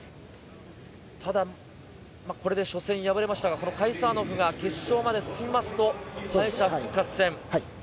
ただこれで初戦敗れましたが、カイサーノフが決勝まで進みますと、敗者復活戦です。